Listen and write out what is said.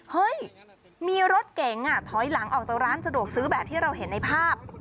เฮ้ยมีรถเก๋งถอยหลังออกจากร้านสะดวกซื้อแบบที่เราเห็นในภาพ